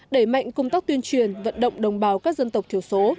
đẩy mạnh công tác tuyên truyền vận động đồng bào các dân tộc thiểu số